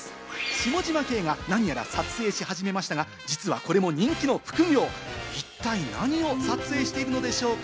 下嶋兄が何やら撮影し始めましたが、実はこれも人気の副業、一体何を撮影しているのでしょうか？